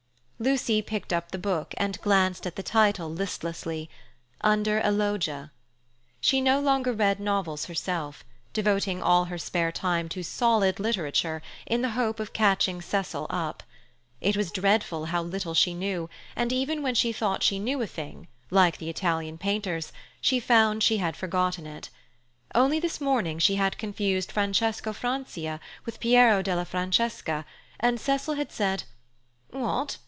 Lucy picked up the book and glanced at the title listlessly, Under a Loggia. She no longer read novels herself, devoting all her spare time to solid literature in the hope of catching Cecil up. It was dreadful how little she knew, and even when she thought she knew a thing, like the Italian painters, she found she had forgotten it. Only this morning she had confused Francesco Francia with Piero della Francesca, and Cecil had said, "What!